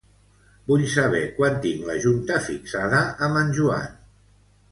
Vull saber quan tinc la junta fixada amb en Joan.